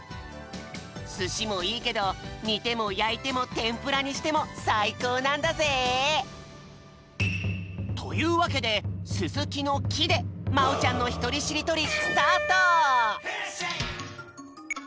すしもいいけどにてもやいてもてんぷらにしてもさいこうなんだぜ！というわけですずきの「き」でまおちゃんのひとりしりとりり。